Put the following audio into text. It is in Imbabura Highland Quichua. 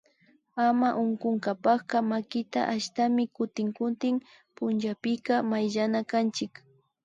Ama unkunkapacka makita ashtami kutin kutin pullapika mayllanakanchik